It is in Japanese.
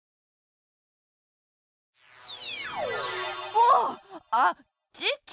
おおあっチッチ！